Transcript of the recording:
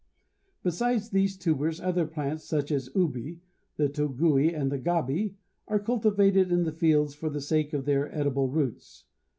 Besides these tubers other plants, such as the ubi, the togui and the gabi, are cultivated in the fields for the sake of their edible roots.